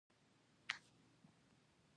د ګرشک مستې هوا بدنونه لمس کړل.